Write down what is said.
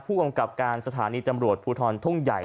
ผู้กำกับการสถานีตำรวจภูทรทุ่งใหญ่